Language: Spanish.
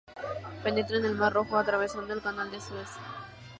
Penetra en el mar Rojo atravesando el canal de Suez.